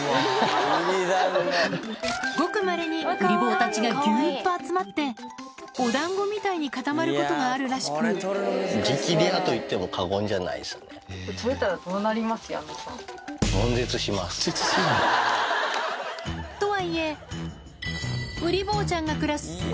ごくまれにウリ坊たちがぎゅっと集まってお団子みたいに固まることがあるらしくとはいえ広大な山地無理じゃないですかこれは。